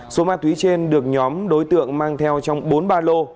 số ma túy trên được nhóm đối tượng mang theo trong bốn ba lô